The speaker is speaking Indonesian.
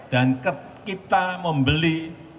dan kita membeli